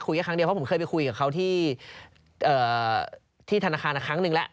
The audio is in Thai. แค่ครั้งเดียวเพราะผมเคยไปคุยกับเขาที่ธนาคารครั้งหนึ่งแล้ว